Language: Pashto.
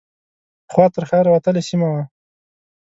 پخوا تر ښار وتلې سیمه وه.